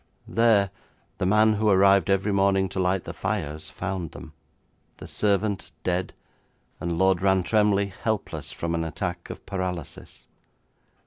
There the man who arrived every morning to light the fires found them, the servant dead, and Lord Rantremly helpless from an attack of paralysis.